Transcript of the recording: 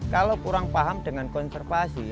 kalau kurang paham dengan konservasi